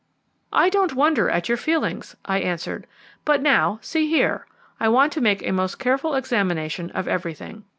"I don't wonder at your feelings," I answered; "but now, see here, I want to make a most careful examination of everything.